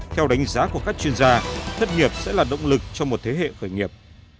theo đánh giá của các chuyên gia thất nghiệp sẽ là động lực cho một thế hệ khởi nghiệp